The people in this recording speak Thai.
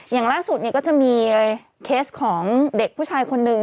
อย่างล่าสุดก็จะมีเคสของเด็กผู้ชายคนหนึ่ง